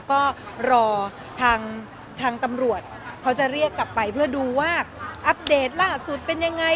ก็รอทางตำรวจเขาจะเรียกกลับไปเพื่อดูว่าอัปเดตล่าสุดเป็นยังไง